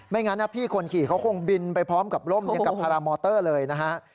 งั้นพี่คนขี่เขาคงบินไปพร้อมกับร่มอย่างกับพารามอเตอร์เลยนะฮะ